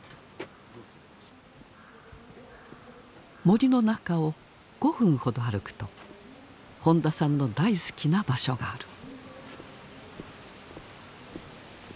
森の中を５分ほど歩くと本田さんの大好きな場所がある。